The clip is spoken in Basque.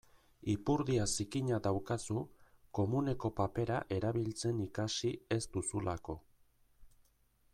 Ipurdia zikina daukazu komuneko papera erabiltzen ikasi ez duzulako.